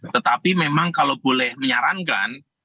tetapi memang kalau boleh menyarankan